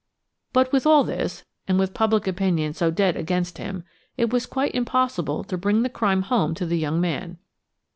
But with all this, and with public opinion so dead against him, it was quite impossible to bring the crime home to the young man.